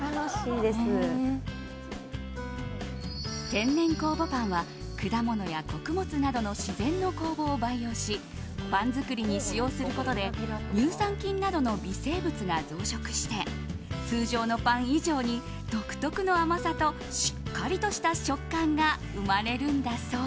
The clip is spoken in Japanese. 天然酵母パンは果物や穀物などの自然の酵母を培養しパン作りに使用することで乳酸菌などの微生物が増殖して通常のパン以上に独特の甘さとしっかりとした食感が生まれるんだそう。